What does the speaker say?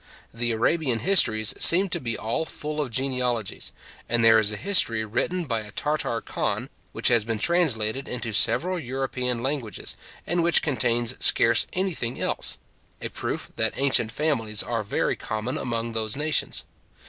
The Arabian histories seem to be all full of genealogies; and there is a history written by a Tartar Khan, which has been translated into several European languages, and which contains scarce any thing else; a proof that ancient families are very common among those nations.